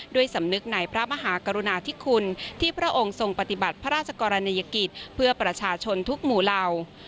สำนึกในพระมหากรุณาธิคุณที่พระองค์ทรงปฏิบัติพระราชกรณียกิจเพื่อประชาชนทุกหมู่เหล่า